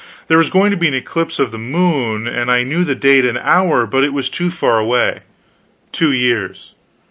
There was going to be an eclipse of the moon, and I knew the date and hour, but it was too far away. Two years.